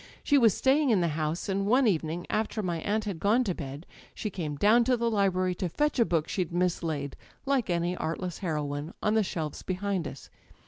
She was staying in the house, and one evening, after my aunt had gone to bed, she came down to the library to fetch a book she'd mislaid, like any artless heroine on the shelves behind us.